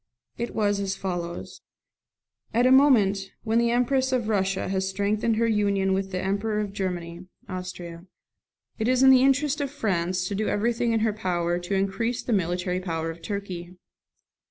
It was as follows: NOTE. At a moment when the Empress of Russia has strengthened her union with the Emperor of Germany (Austria), it is the interest of France to do everything in her power to increase the military power of Turkey.